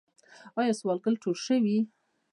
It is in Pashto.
آیا سوالګر ټول شوي؟